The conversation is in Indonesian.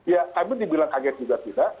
ya kami dibilang kaget juga tidak